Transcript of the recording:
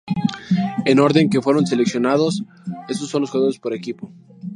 En orden que fueron seleccionados, estos son los jugadores por equipo.